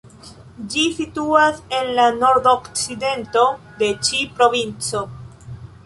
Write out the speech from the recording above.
Ĝi situas en la nordokcidento de ĉi provinco.